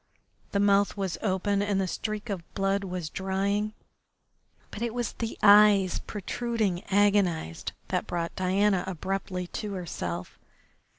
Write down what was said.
The mouth was open and the streak of blood was drying, but it was the eyes, protruding, agonised, that brought Diana abruptly to herself.